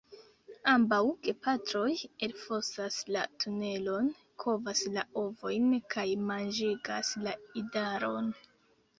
Ambaŭ gepatroj elfosas la tunelon, kovas la ovojn kaj manĝigas la idaron.